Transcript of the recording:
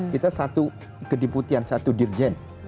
kita satu kediputian satu dirjen